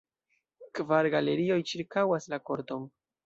Kvar galerioj ĉirkaŭas la korton.